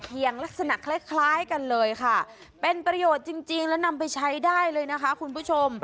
อย่างลักษณะคล้ายคล้ายกันเลยค่ะเป็นประโยชน์จริงแล้วนำไปใช้ได้เลยนะคะคุณผู้ชม